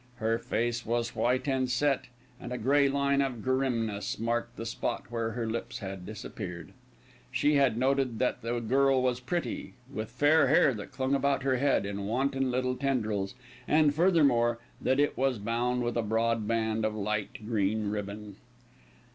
Her face was white and set, and a grey line of grimness marked the spot where her lips had disappeared. She had noted that the girl was pretty, with fair hair that clung about her head in wanton little tendrils and, furthermore, that it was bound with a broad band of light green ribbon.